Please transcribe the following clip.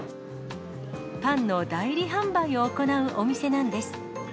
パンの代理販売を行うお店なんです。